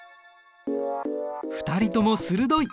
２人とも鋭い！